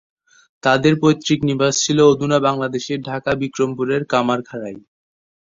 তাঁদের পৈতৃক নিবাস ছিল অধুনা বাংলাদেশের ঢাকা বিক্রমপুরের কামারখাড়ায়।